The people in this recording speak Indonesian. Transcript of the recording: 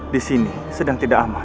disini sedang tidak aman